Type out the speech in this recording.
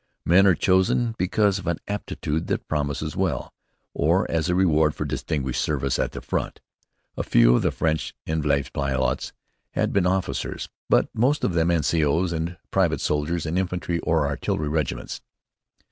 Men are chosen because of an aptitude that promises well, or as a reward for distinguished service at the front. A few of the French élèves pilotes had been officers, but most of them N.C.O.'s and private soldiers in infantry or artillery regiments.